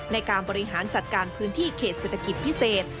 ในการบริหารจัดการพื้นที่เขตเศรษฐกิจพิเศษ